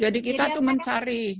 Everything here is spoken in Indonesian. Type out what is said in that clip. jadi kita tuh mencari